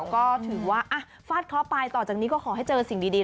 ก็ถือว่าฟาดเคาะไปต่อจากนี้ก็ขอให้เจอสิ่งดี